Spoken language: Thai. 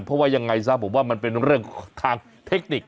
เพราะว่ายังไงซะผมว่ามันเป็นเรื่องทางเทคนิค